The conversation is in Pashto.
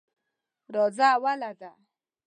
راځه اوله ده.